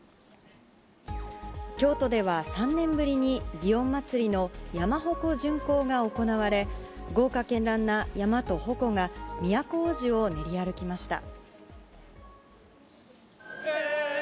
京都では、３年ぶりに祇園祭の山鉾巡行が行われ、豪華けんらんな山と鉾が都大路を練り歩きました。